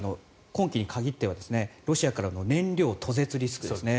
今季に限っては、ロシアからの燃料途絶リスクですね。